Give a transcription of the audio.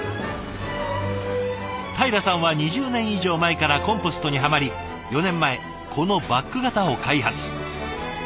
たいらさんは２０年以上前からコンポストにハマり４年前このバッグ型を開発。